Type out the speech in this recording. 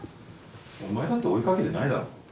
「お前だって追いかけてないだろ？」